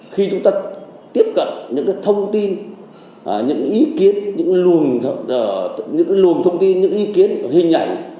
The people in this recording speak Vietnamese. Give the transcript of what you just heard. khi chúng ta tiếp cận những thông tin những ý kiến những luồng những luồng thông tin những ý kiến hình ảnh